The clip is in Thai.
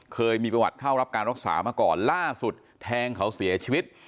เคยมีประวัติเข้ารับการรักษามาก่อนล่าสุดแทงเขาเสียชีวิต